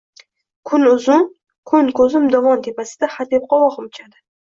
Kun-uzun kun koʼzim dovon tepasida, hadeb qovogʼim uchadi.